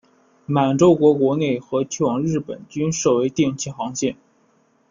满洲国国内和去往日本均设为定期航线。